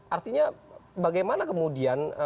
artinya bagaimana kemudian